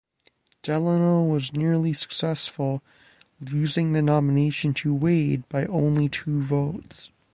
Delano was nearly successful, losing the nomination to Wade by only two votes.